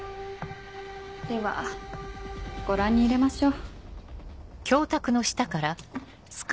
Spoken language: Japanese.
ではご覧に入れましょう。